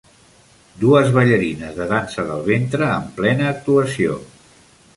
Dues ballarines de dansa del ventre en plena actuació.